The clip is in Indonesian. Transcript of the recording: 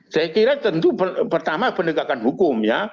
saya kira tentu pertama penegakan hukum ya